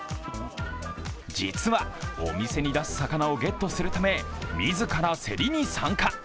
実は、お店に出す魚をゲットするため自ら競りに参加。